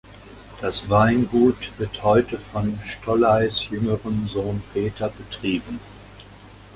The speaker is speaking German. Das Weingut wird heute von Stolleis’ jüngerem Sohn Peter betrieben.